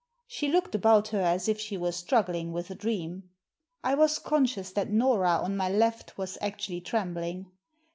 She looked about her as if she were struggling with a dream. I was conscious that Nora, on my left, was actually trembling.